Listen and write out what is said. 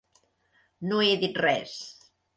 No he dit res.